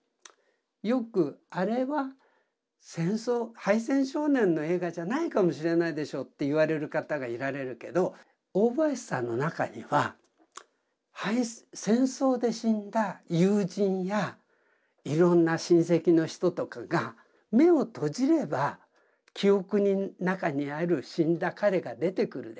よくあれは敗戦少年の映画じゃないかもしれないでしょうって言われる方がいられるけど大林さんの中には戦争で死んだ友人やいろんな親戚の人とかが目を閉じれば記憶の中にある死んだ彼が出てくるでしょ。